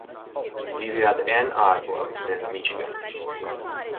Vive ad Ann Arbor, nel Michigan.